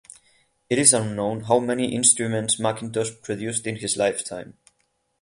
It is unknown how many instruments Mackintosh produced in his lifetime.